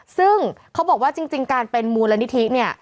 ซึ่งเขาบอกว่าจริงการเป็นมูลนิธิเนี่ย